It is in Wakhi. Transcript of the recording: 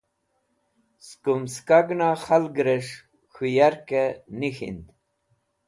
Skũm skagẽna khalgrẽs̃h k̃hũ yarke nẽk̃hind.